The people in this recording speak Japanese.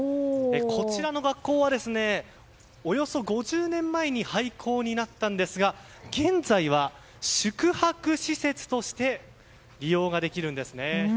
こちらの学校はおよそ５０年前に廃校になったんですが現在は宿泊施設として利用ができるんですね。